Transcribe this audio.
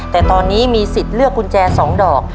แต่ตอนนี้มีสิทธิ์เลือกกุญแจ๒ดอก